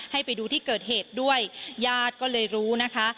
ให้ไปดูที่เกิดเหตุด้วยญาติก็เลยรู้นะคะ